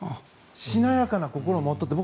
しなやかな心を持てと。